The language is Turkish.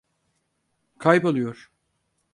Kayboluyor.